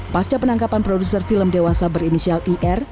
pasca penangkapan produser film dewasa berinisial ir